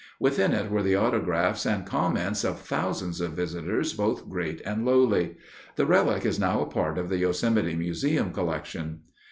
Within it were the autographs and comments of thousands of visitors both great and lowly. The relic is now a part of the Yosemite Museum collection.